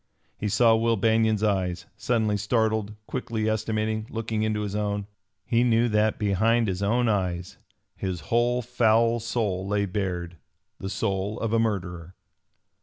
He saw Will Banion's eyes, suddenly startled, quickly estimating, looking into his own. He knew that behind his own eyes his whole foul soul lay bared the soul of a murderer.